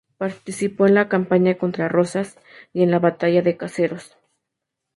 Participó en la campaña contra Rosas, y en la batalla de Caseros.